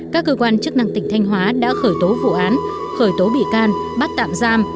các cơ quan chức năng tỉnh thanh hóa đã khởi tố vụ án khởi tố bị can bắt tạm giam